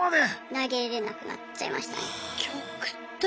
投げれなくなっちゃいましたね。